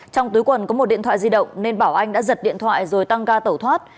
trong túi quần có một điện thoại di động nên bảo anh đã giật điện thoại rồi tăng ga tẩu thoát